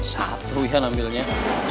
satu ian ambilnya